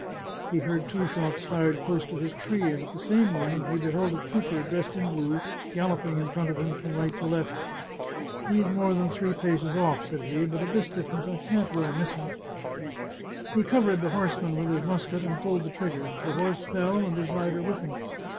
He heard two shots fired close to his tree, and at the same moment he beheld a trooper dressed in blue galloping in front of him from right to left. " He's more than three paces off," said he, " but at this distance I can't well miss him." He covered the horseman with his musket, and pulled the trig ger. The horse fell, and his rider with him.